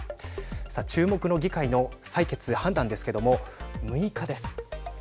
さあ、注目の議会の採決、判断ですけれども６日です。